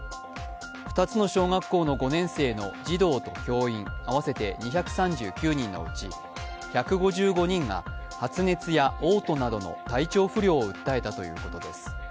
２つの小学校の５年生の児童と教員合わせて２３９人のうち１５５人が発熱やおう吐などの体調不良を訴えたということです。